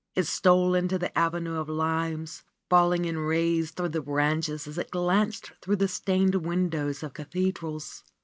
It stole into the avenue of limes, falling in rays through the branches as it glanced through the stained windows of cathedrals.